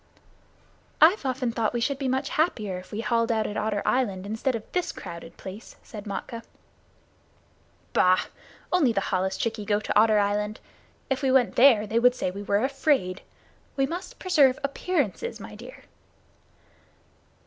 "I've often thought we should be much happier if we hauled out at Otter Island instead of this crowded place," said Matkah. "Bah! Only the holluschickie go to Otter Island. If we went there they would say we were afraid. We must preserve appearances, my dear."